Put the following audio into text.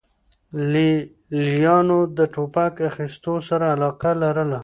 لې لیانو د ټوپک اخیستو سره علاقه لرله